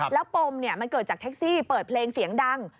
แล้วปมมันเกิดจากแท็กซี่เปิดเพลงเสียงดัง